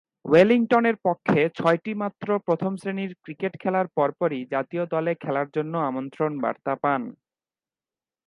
ওয়েলিংটনের পক্ষে ছয়টিমাত্র প্রথম-শ্রেণীর ক্রিকেট খেলার পরপরই জাতীয় দলে খেলার জন্যে আমন্ত্রণ বার্তা পান।